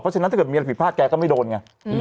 ฉะนั้นถ้าเกิดมีอะไรผิดพลาดแกก็ไม่โดนไง